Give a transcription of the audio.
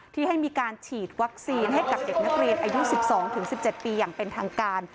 ที่ให้มีการฉีดวัคซีนให้กับเด็กนักเรียนอายุ๑๒๑๗ปีอย่างเป็นทางการ